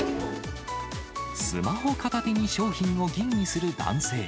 スマホ片手に商品を吟味する男性。